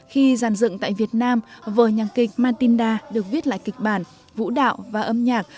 khi giàn dựng tại việt nam vờ nhạc kịch matinda được viết lại kịch bản vũ đạo và âm nhạc